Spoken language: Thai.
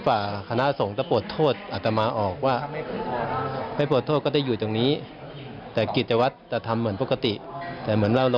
ทางพระลูกวัตถ์ด้วยท่านค่อยตามกันไปนะฮะ